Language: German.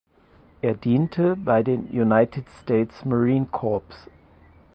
Er diente bei den United States Marine Corps.